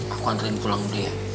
aku anterin pulang dulu ya